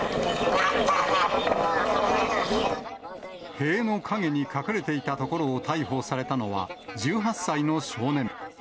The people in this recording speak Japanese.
塀の陰に隠れていたところを逮捕されたのは、１８歳の少年。